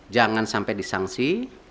jangan sampai disanksi